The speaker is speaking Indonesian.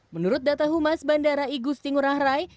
menurut data humas bandara igusti ngurah rai